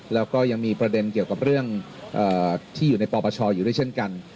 แล้วก็ยังมีประเด็นเกี่ยวกับเรื่องที่อยู่ในปปชอยู่ด้วยเช่นกัน